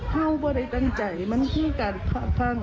เท่าไว้ในตังใจมันคือการขาดฟัง